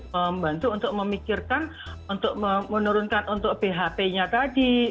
membantu untuk memikirkan untuk menurunkan untuk bhp nya tadi